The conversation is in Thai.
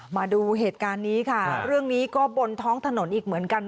มาดูเหตุการณ์นี้ค่ะเรื่องนี้ก็บนท้องถนนอีกเหมือนกัน